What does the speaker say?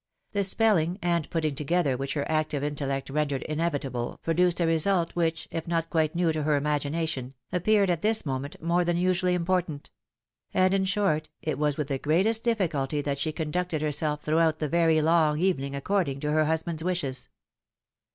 The speUing and putting together which her active intellect rendered inevitable, produced a result, which, if not quite new to her imagination, appeared at this moment more than usually important ; and, in short, it was with the greatest difficulty that she conducted herself throughout the very long evening according to her husband's wishes.